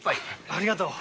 ありがとう。